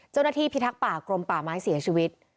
เจ้าหน้าที่พิทักษ์ป่ากลมป่าไม้เสียชีวิต